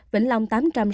vĩnh long tám trăm sáu mươi